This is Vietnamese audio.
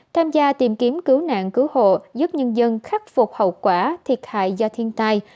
tham gia tìm kiếm cứu nạn cứu hộ giúp nhân dân khắc phục hậu quả thiệt hại do thiên tai